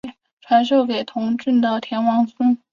传授给同郡的田王孙。